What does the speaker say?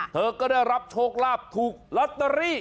เธอก็ได้รับโชคลาภถูกลอตเตอรี่